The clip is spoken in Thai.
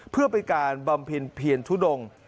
เพื่อไปการบำพินเพียนทุดง